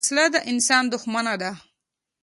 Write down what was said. وسله د انسان دښمنه ده